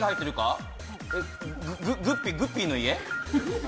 グッピーの家？